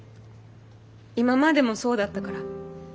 今までもそうだったから。